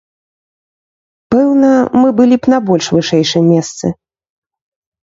Пэўна, мы б былі на больш вышэйшым месцы.